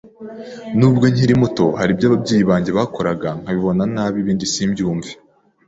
N’ubwo nkiri muto hari ibyo ababyeyi banjye bakoraga nkabibona nabi ibindi simbyumve,